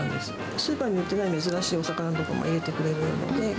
スーパーに売ってない珍しいお魚とかも入れてくれるので。